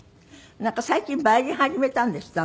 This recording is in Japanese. なんか最近バイオリン始めたんですって？